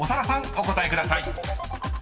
お答えください］